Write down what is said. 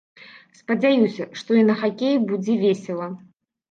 Спадзяюся, што і на хакеі будзе весела.